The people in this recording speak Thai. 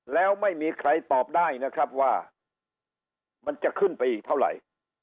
แล้วไม่มีใครตอบได้นะครับว่ามันจะขึ้นไปอีกเท่าไหร่